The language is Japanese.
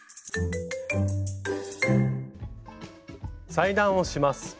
裁断をします。